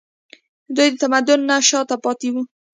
دوی د تمدن نه شاته پاتې وو